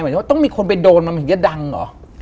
หมายถึงว่าต้องมีคนไปโดนมันมันจะดังเหรอ